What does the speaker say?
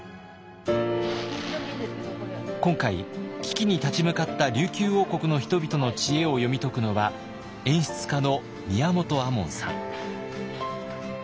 今回危機に立ち向かった琉球王国の人々の知恵を読み解くのは演出家の宮本亞門さん。